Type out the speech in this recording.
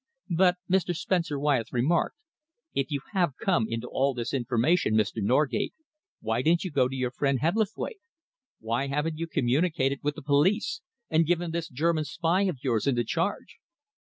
"But," Mr. Spencer Wyatt remarked, "if you have come into all this information, Mr. Norgate, why didn't you go to your friend Hebblethwaite? Why haven't you communicated with the police and given this German spy of yours into charge?"